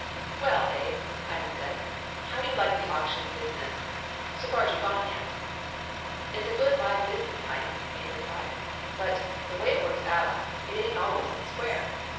"Well, Abe," Hyman said, "how do you like the auction business so far as you gone yet?" "It's a good, live business, Hymie," Abe replied; "but, the way it works out, it ain't always on the square.